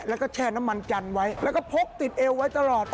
แล้วก็แช่น้ำมันจันทร์ไว้แล้วก็พกติดเอวไว้ตลอด